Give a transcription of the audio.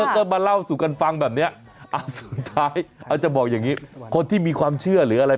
แล้วก็มาเล่าสู่กันฟังแบบเนี้ยอ่ะสุดท้ายอาจจะบอกอย่างนี้คนที่มีความเชื่อหรืออะไร